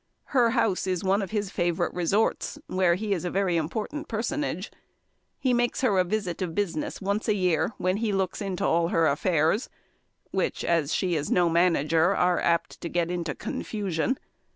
Her house is one of his favourite resorts, where he is a very important personage. He makes her a visit of business once a year, when he looks into all her affairs; which, as she is no manager, are apt to get into confusion.